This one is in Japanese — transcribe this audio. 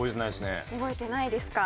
覚えてないですか。